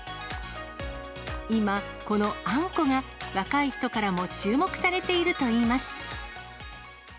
今、このあんこが、若い人からも注目されているといいます。